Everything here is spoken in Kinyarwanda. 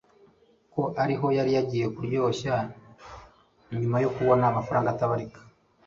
ko ariho yari yaragiye kuryoshya nyuma yo kubona amafaranga atabarika